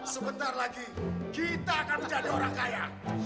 sebentar lagi kita akan menjadi orang kaya